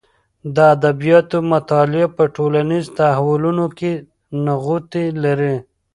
د ادبیاتو مطالعه په ټولنیز تحولونو کې نغوتې لري.